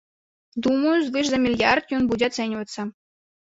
Думаю, звыш за мільярд ён будзе ацэньвацца.